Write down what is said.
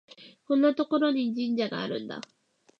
こんなところに神社があるんだ